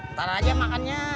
ntar aja makannya